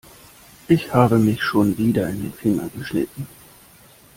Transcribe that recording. Ich habe mich schon wieder in den Finger geschnitten.